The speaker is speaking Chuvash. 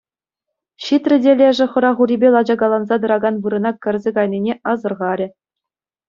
Ҫитрӗ те лешӗ хӑрах урипе лачакаланса тӑракан вырӑна кӗрсе кайнине асӑрхарӗ.